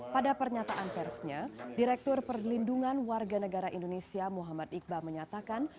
pada pernyataan persnya direktur perlindungan warga negara indonesia muhammad iqbal menyatakan